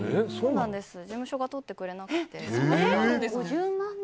事務所がとってくれなくて。